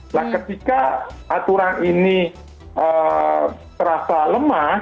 nah ketika aturan ini terasa lemah